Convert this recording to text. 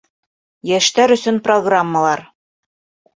Йәштәр өсөнпрограммалар